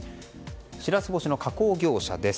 シラス干しの加工業者です。